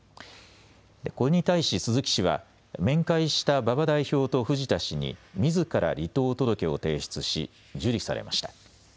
これに対し鈴木氏は面会した馬場代表と藤田氏にみずから離党届を提出し受理されました。